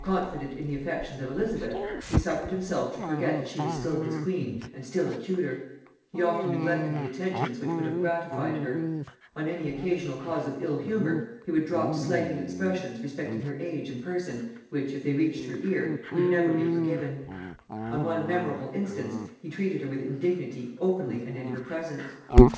Confident in the affections of Elizabeth, he suffered himself to forget that she was still his queen and still a Tudor; he often neglected the attentions which would have gratified her; on any occasional cause of ill humour he would drop slighting expressions respecting her age and person which, if they reached her ear, could never be forgiven; on one memorable instance he treated her with indignity openly and in her presence.